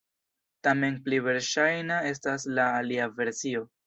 Tamen pli verŝajna estas la alia versio.